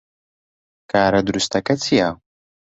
کارە دروستەکە چییە؟